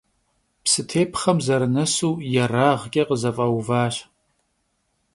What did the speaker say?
Psıtêpxhem zerınesu yêrağç'e khızef'euvaş.